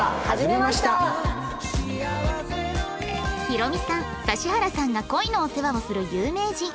ヒロミさん指原さんが恋のお世話をする有名人